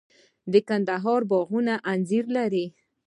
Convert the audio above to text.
د کندهار باغونه انځر لري.